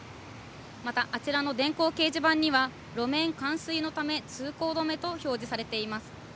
またあちらの電光掲示板には、路面冠水のため通行止めと表示されています。